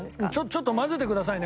ちょっと混ぜてくださいね